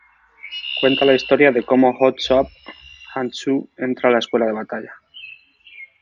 Cuenta la historia de como "Hot Soup" Han Tzu entra la Escuela de Batalla.